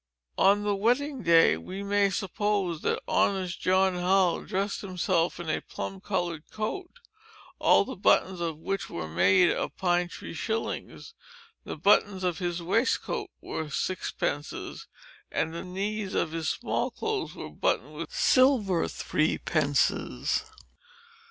On the wedding day, we may suppose that honest John Hull dressed himself in a plum colored coat, all the buttons of which were made of pine tree shillings. The buttons of his waistcoat were sixpences; and the knees of his smallclothes were buttoned with silver threepences.